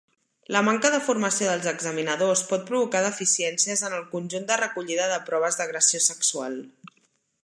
La manca de formació dels examinadors pot provocar deficiències en els conjunt de recollida de proves d'agressió sexual.